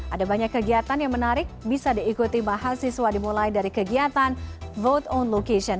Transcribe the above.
ada banyak kegiatan yang menarik bisa diikuti mahasiswa dimulai dari kegiatan vote on location